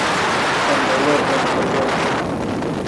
تم ٻولو ايم ڇلرو ڇي